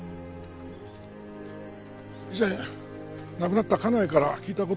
以前亡くなった家内から聞いた事があります。